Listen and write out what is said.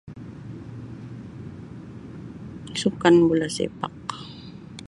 Sukan Bola Sepak.